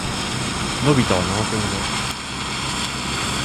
のびたは怠けもの。